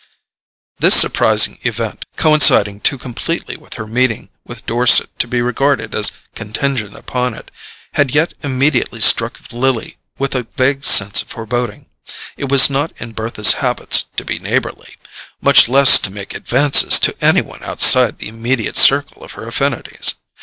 This surprising event, coinciding too completely with her meeting with Dorset to be regarded as contingent upon it, had yet immediately struck Lily with a vague sense of foreboding. It was not in Bertha's habits to be neighbourly, much less to make advances to any one outside the immediate circle of her affinities.